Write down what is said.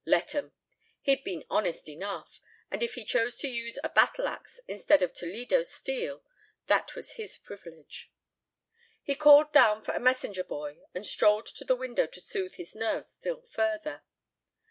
Let 'em. He'd been honest enough, and if he chose to use a battle axe instead of Toledo steel that was his privilege. He called down for a messenger boy and strolled to the window to soothe his nerves still further.